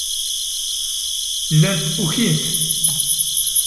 Llant ukint.